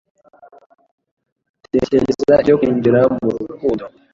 atekereza ibyo kwinjira mu rukundo